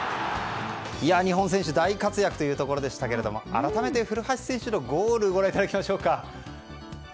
日本選手大活躍というところですが改めて古橋選手のゴールご覧いただきましょうか。